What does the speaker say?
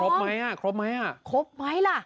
ครบไหมครบไหม